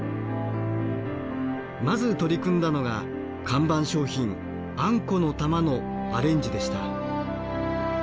まず取り組んだのが看板商品あんこの玉のアレンジでした。